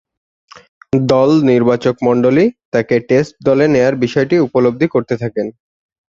দল নির্বাচকমণ্ডলী তাকে টেস্ট দলে নেয়ার বিষয়টি উপলব্ধি করতে থাকেন।